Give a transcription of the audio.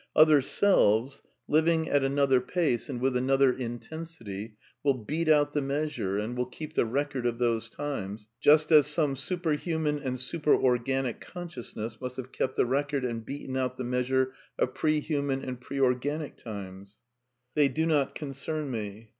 Other selves, living at another pace and 320 A DEFENCE OF IDEALISM with another intensity, will beat out the measure and will keep the record of those times, just as some superhuman and superorganic consciousness must have kept the record and beaten out the measure of prehuman and preorganic times. They do not concern me.